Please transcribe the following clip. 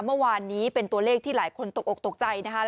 เมื่อวานนี้เป็นตัวเลขที่หลายคนตกออกตกใจนะคะ